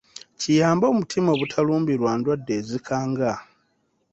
Kiyambe omutima obutalumbibwa ndwadde ezikanga.